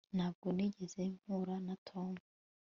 ntabwo nigeze mpura na tom